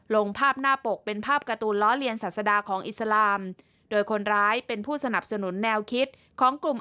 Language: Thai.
ลงภาพหน้าปกเป็นภาพการ์ตูนล้อเลียนศาสดาของอิสลามโดยคนร้ายเป็นผู้สนับสนุนแนวคิดของกลุ่ม